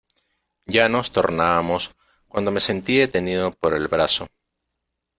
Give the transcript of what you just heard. ya nos tornábamos, cuando me sentí detenido por el brazo.